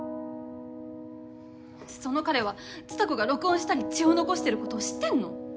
その彼は蔦子が録音したり血を残してることを知ってんの？